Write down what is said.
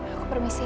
aku permisi ya